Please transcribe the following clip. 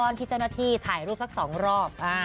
ที่เจ้าหน้าที่ถ่ายรูปสัก๒รอบ